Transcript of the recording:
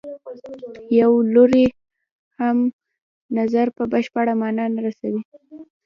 یو لوری هم خپل نظر په بشپړه معنا نه رسوي.